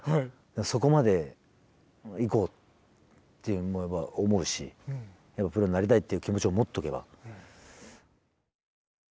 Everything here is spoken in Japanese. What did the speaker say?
そこまでいこうって思いは思うしプロになりたいっていう気持ちを持っておけば。